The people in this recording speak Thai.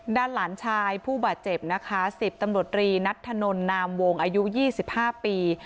ด้านหลานชายผู้บาดเจ็บนะคะ๑๐ตำรวจรีนัทธนนนามวงอายุ๒๕ปี